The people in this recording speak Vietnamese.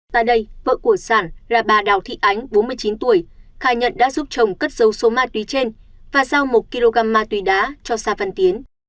tại đây vợ của sản là bà đào thị ánh bốn mươi chín tuổi khai nhận đã giúp chồng cất dấu số ma túy trên và giao một kg ma túy đá cho sa văn tiến